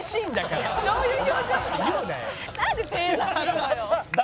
「なんで正座するのよ」